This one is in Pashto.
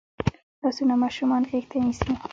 لاسونه ماشومان غېږ ته نیسي